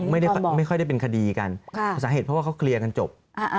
ไม่ค่อยได้เป็นคดีกันสาเหตุเพราะว่าเขาเคลียร์กันจบ